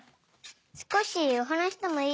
少しお話ししてもいい？